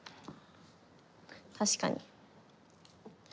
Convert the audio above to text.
確かに。